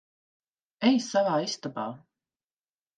Ej savā istabā.